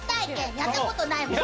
やったことないから。